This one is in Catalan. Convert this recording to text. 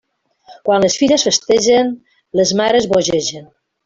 Quan les filles festegen, les mares bogegen.